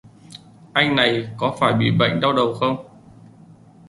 Anh này có phải bị bệnh đau đầu không